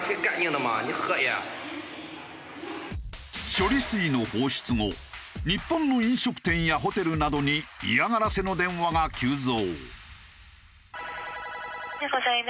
処理水の放出後日本の飲食店やホテルなどに嫌がらせの電話が急増。